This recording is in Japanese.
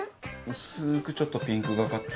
薄くちょっとピンクがかった。